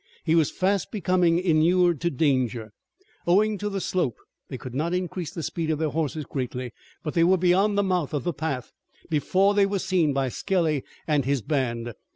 He was fast becoming inured to danger. Owing to the slope they could not increase the speed of their horses greatly, but they were beyond the mouth of the path before they were seen by Skelly and his band.